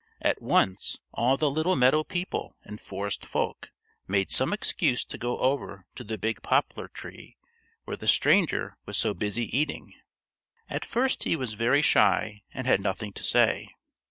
At once all the little meadow people and forest folk made some excuse to go over to the big poplar tree where the stranger was so busy eating. At first he was very shy and had nothing to say.